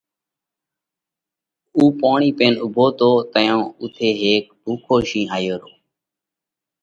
اُو پوڻِي پينَ اُوڀو تو، تئيون اُوٿئہ هيڪ ڀُوکو شِينه آيو رو۔